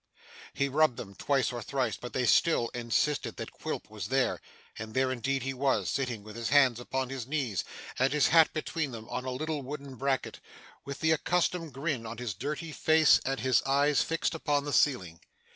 He rubbed them twice or thrice, but still they insisted that Quilp was there, and there indeed he was, sitting with his hands upon his knees, and his hat between them on a little wooden bracket, with the accustomed grin on his dirty face, and his eyes fixed upon the ceiling.